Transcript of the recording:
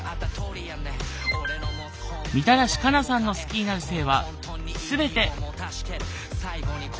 みたらし加奈さんの好きになる性は全て。